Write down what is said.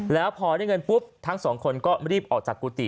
แล้วพอได้เงินปุ๊บทั้งสองคนก็รีบออกจากกุฏิ